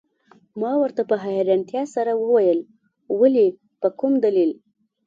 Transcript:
ما ورته په حیرانتیا سره وویل: ولي، په کوم دلیل؟